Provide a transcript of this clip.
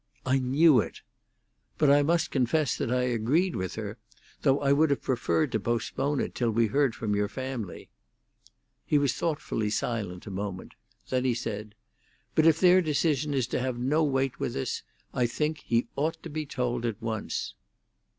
"I knew it!" "But I must confess that I agreed with her, though I would have preferred to postpone it till we heard from your family." He was thoughtfully silent a moment; then he said, "But if their decision is to have no weight with us, I think he ought to be told at once."